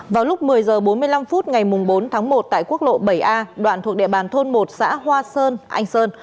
vào lúc một mươi h bốn mươi năm phút ngày bốn tháng một tại quốc lộ bảy a đoạn thuộc địa bàn thôn một xã hoa sơn anh sơn